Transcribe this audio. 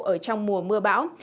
ở trong mùa mưa bão